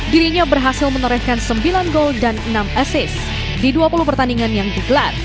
dirinya berhasil menorehkan sembilan gol dan enam asis di dua puluh pertandingan yang digelar